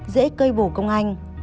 dễ cây bổ công anh